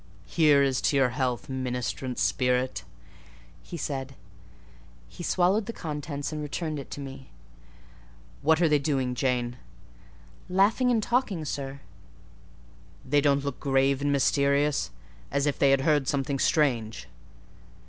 "Here is to your health, ministrant spirit!" he said. He swallowed the contents and returned it to me. "What are they doing, Jane?" "Laughing and talking, sir." "They don't look grave and mysterious, as if they had heard something strange?"